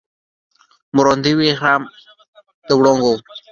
مراندې وریښم د وړانګو